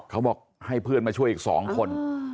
เขาบอกให้เพื่อนมาช่วยอีก๒คน